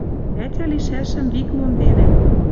Ӓтя лишӓшӹм вик монденӓт.